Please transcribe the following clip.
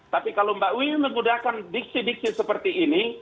tapi kalau mbak wiwi menggunakan diksi diksi seperti ini